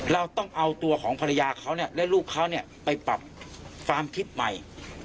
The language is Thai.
เราต้องเอาตัวของภรรยาเขาเนี่ยและลูกเขาไปปรับความคิดใหม่